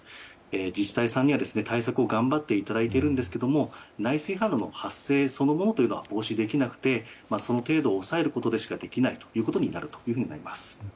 自治体さんには対策を頑張っていただいているんですけれども内水氾濫の発生そのものは防止できなくてその程度を抑えることしかできないということになります。